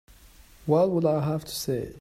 What would I have to say?